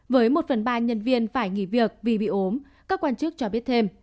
với một phần ba nhân viên phải nghỉ việc vì bị ốm các quan chức cho biết thêm